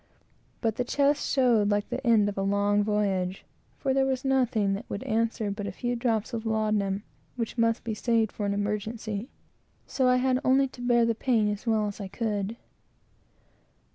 But the chest showed like the end of a long voyage, for there was nothing that would answer but a few drops of laudanum, which must be saved for any emergency; so I had only to bear the pain as well as I could.